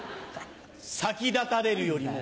先立たれるよりも。